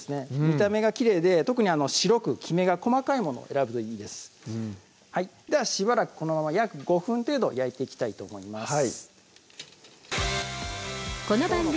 見た目がきれいで特に白くきめが細かいものを選ぶといいですではしばらくこのまま約５分程度焼いていきたいと思います